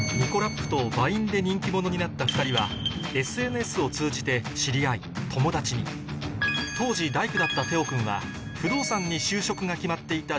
で人気者になった２人はＳＮＳを通じて知り合い友達に当時大工だったテオくんは不動産に就職が決まっていた☆